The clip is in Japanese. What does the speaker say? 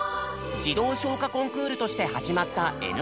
児童唱歌コンクールとして始まった「Ｎコン」。